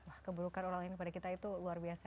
wah keburukan orang lain kepada kita itu luar biasa